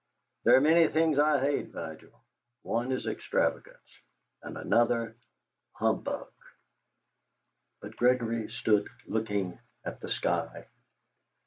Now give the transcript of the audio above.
There are many things I hate, Vigil. One is extravagance, and another humbug!" But Gregory stood looking at the sky.